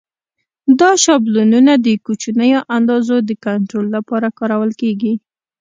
دا شابلونونه د کوچنیو اندازو د کنټرول لپاره کارول کېږي.